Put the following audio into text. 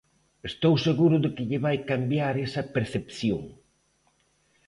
Estou seguro de que lle vai cambiar esa percepción.